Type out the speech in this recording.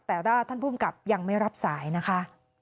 แต่ท่านผู้กลับยังไม่รับสายนะคะ